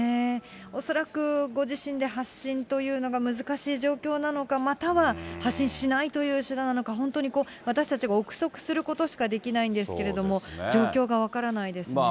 恐らくご自身で発信というのが難しい状況なのか、または発信しないということなのか、本当に私たちが臆測することしかできないんですけれども、状況が分からないですね。